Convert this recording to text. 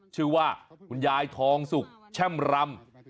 ชื่อว่าคุณยายทองสุกแช่มรำ